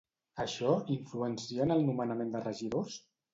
Això influencia en el nomenament de regidors?